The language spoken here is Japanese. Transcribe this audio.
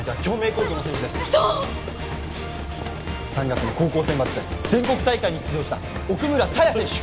３月の高校選抜で全国大会に出場した奥村紗耶選手！